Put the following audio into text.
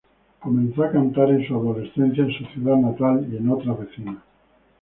Comenzó a cantar en su adolescencia en su ciudad natal y en otras vecinas.